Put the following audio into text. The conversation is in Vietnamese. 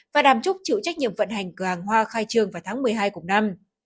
và đàm trúc chịu trách nhiệm vận hành cửa hàng hoa khai trương vào tháng một mươi hai cùng năm